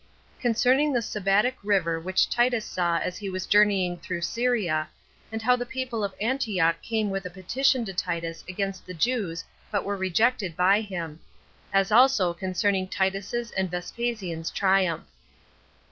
Concerning The Sabbatic River Which Titus Saw As He Was Journeying Through Syria; And How The People Of Antioch Came With A Petition To Titus Against The Jews But Were Rejected By Him; As Also Concerning Titus's And Vespasian's Triumph.